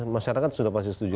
masyarakat sudah pasti setuju